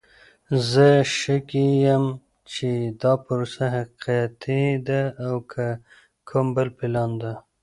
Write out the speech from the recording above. زه شکي یم چې دا پروسه حقیقی ده او که کوم بل پلان ده!